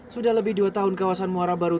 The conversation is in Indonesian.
sudah lebih dua tahun kawasan muara baru